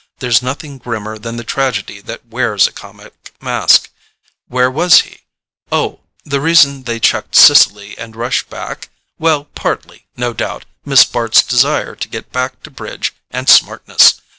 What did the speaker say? There's nothing grimmer than the tragedy that wears a comic mask.... Where was he? Oh—the reason they chucked Sicily and rushed back? Well—partly, no doubt, Miss Bart's desire to get back to bridge and smartness.